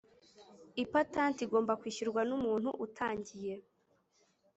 Ipatanti igomba kwishyurwa n umuntu utangiye